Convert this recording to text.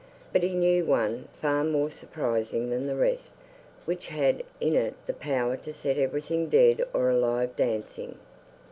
But he knew one far more surprising than the rest, which had in it the power to set everything dead or alive dancing.